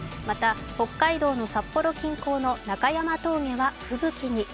また、北海道の札幌近郊の中山峠は吹雪に。